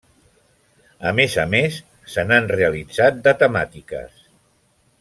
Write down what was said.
A més a més, se n'han realitzat de temàtiques.